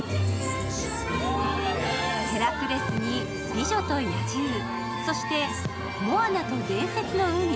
「ヘラクレス」に「美女と野獣」、そして「モアナと伝説の海」。